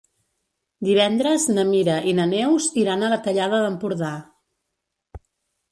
Divendres na Mira i na Neus iran a la Tallada d'Empordà.